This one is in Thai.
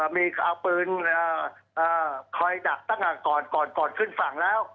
มีเอาปืนคอยดักตั้งแต่ก่อนขึ้นฝั่งแล้ว